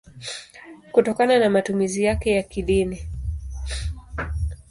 kutokana na matumizi yake ya kidini.